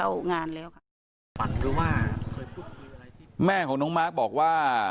น้องมาร์คมีอะไรถูกมาได้๔กว่า